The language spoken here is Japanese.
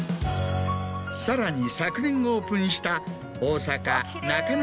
さらに昨年オープンした。